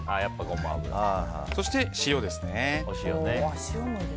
そして塩ですね。